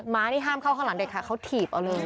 ้านี่ห้ามเข้าข้างหลังเด็ดค่ะเขาถีบเอาเลย